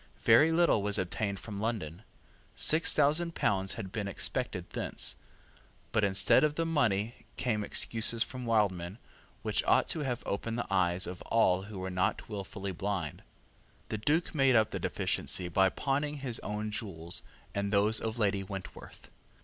Very little was obtained from London. Six thousand pounds had been expected thence. But instead of the money came excuses from Wildman, which ought to have opened the eyes of all who were not wilfully blind. The Duke made up the deficiency by pawning his own jewels and those of Lady Wentworth.